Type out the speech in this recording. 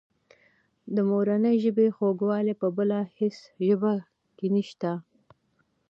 د مورنۍ ژبې خوږوالی په بله هېڅ ژبه کې نشته.